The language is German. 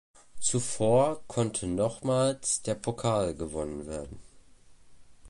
Zuvor konnte nochmals der Pokal gewonnen werden.